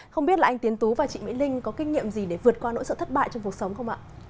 không biết là anh tiến tú và chị mỹ linh có kinh nghiệm gì để vượt qua nỗi sợ thất bại trong cuộc sống không ạ